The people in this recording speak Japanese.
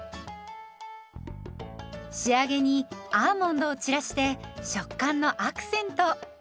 仕上げにアーモンドを散らして食感のアクセント。